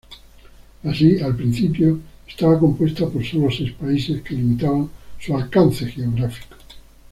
Así, al principio estaba compuesta por solo seis países que limitaban su alcance geográfico.